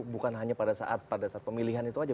bukan hanya pada saat pemilihan itu saja